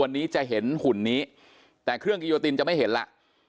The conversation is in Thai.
วันนี้จะเห็นหุ่นนี้แต่เครื่องกิโยตินจะไม่เห็นแล้ว